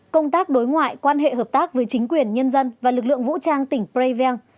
công tác đối ngoại quan hệ hợp tác với chính quyền nhân dân và lực lượng vũ trang tỉnh previean